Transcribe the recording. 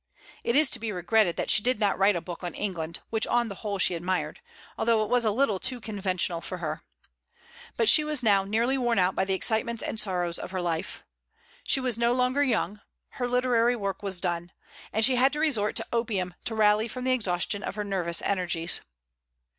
It is to be regretted that she did not write a book on England, which on the whole she admired, although it was a little too conventional for her. But she was now nearly worn out by the excitements and the sorrows of her life. She was no longer young. Her literary work was done. And she had to resort to opium to rally from the exhaustion of her nervous energies.